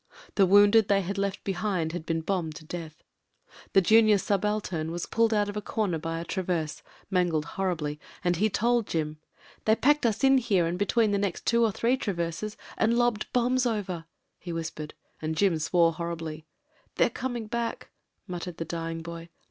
The wounded they had left behind had been bombed to death. The junior THE MADNESS 309 subaltern was pulled out of a comer by a traverse mangled horribly — and he told Jim. "They packed us in here and between the next two or three traverses and lobbed bombs . over," he whis pered. And Jim swore horribly. ''They're coming back," muttered the dying boy.